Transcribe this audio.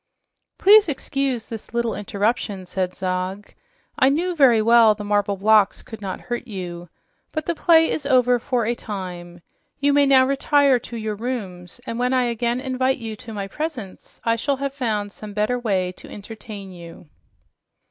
"Please excuse this little interruption," said Zog. "I knew very well the marble blocks would not hurt you. But the play is over for a time. You may now retire to your rooms, and when I again invite you to my presence, I shall have found some better ways to entertain you."